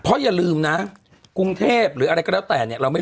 เพราะอย่าลืมนะกรุงเทพหรืออะไรก็แล้วแต่เนี่ยเราไม่